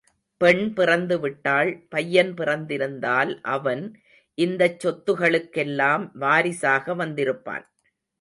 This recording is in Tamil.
பெண் பிறந்து விட்டாள், பையன் பிறந்திருந்தால் அவன் இந்தச் சொத்துகளுக்கெல்லாம் வாரிசாக வந்திருப்பான்.